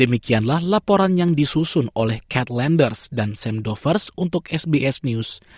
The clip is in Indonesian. demikianlah laporan yang disusun oleh kat landers dan sam dovers untuk sbs news